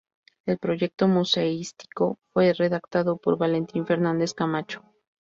El proyecto Museístico fue redactado por Valentín Fernández Camacho.